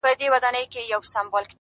• لمر چي د ميني زوال ووهي ويده سمه زه؛